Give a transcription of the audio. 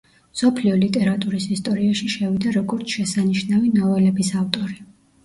მსოფლიო ლიტერატურის ისტორიაში შევიდა როგორც შესანიშნავი ნოველების ავტორი.